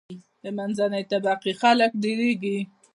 د منځنۍ طبقی خلک ډیریږي.